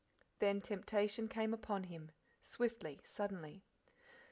Then temptation came upon him swiftly, suddenly.